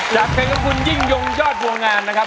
จากเพลงของคุณยิ่งยงยอดบัวงานนะครับ